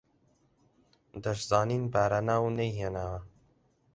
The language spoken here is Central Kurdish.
دەشزانین باراناو نەیهێناوە